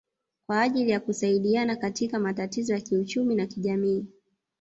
kwa ajili ya kusaidiana katika matatizo ya kiuchumi na kijamii